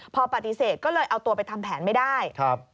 พอปฏิเสธก็เลยเอาตัวไปทำแผนไม่ได้